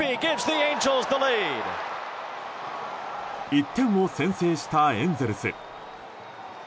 １点を先制したエンゼルス。